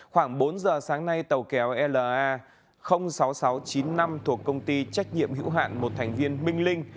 khoảng bốn giờ sáng nay tàu kéo la sáu nghìn sáu trăm chín mươi năm thuộc công ty trách nhiệm hữu hạn một thành viên minh linh